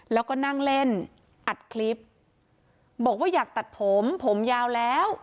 แล้วก็นั่งเล่นอัดคลิปบอกว่าอยากตัดผมผมยาวแล้ว